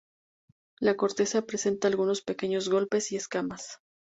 La corteza presenta algunos pequeños golpes y escamas.